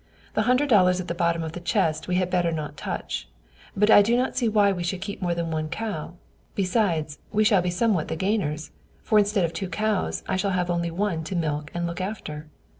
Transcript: The hundred dollars at the bottom of the chest we had better not touch; but I do not see why we should keep more than one cow: besides, we shall be somewhat the gainers; for instead of two cows, I shall have only one to milk and look after."